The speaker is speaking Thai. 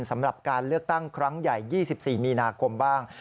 สำหรับการเลือกตั้งครั้งใหญ่๒๔มีนาคมบ้าง